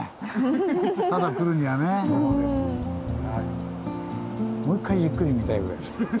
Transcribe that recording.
もう一回じっくり見たいぐらい。